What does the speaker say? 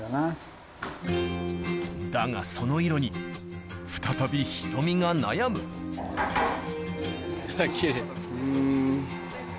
だがその色に再びヒロミが悩むあっ奇麗。